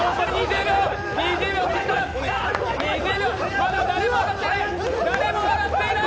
まだ誰も上がっていない！